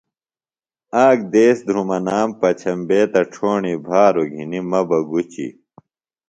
آک دیس دُھرمنام پچھمبے تہ چھوݨی بھاروۡ گھنیۡ مہ بہ گُچیۡ